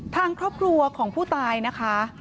ทางครอบครัวของผู้ตายนะคะ